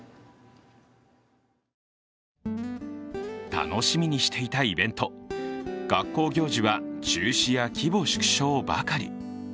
楽しみにしていたイベント学校行事は中止や規模縮小ばかり。